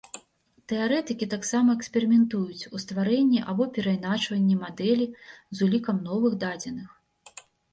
Тэарэтыкі таксама эксперыментуюць ў стварэнні або перайначванні мадэлі з улікам новых дадзеных.